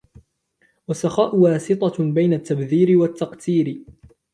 وَالسَّخَاءُ وَاسِطَةٌ بَيْنَ التَّبْذِيرِ وَالتَّقْتِيرِ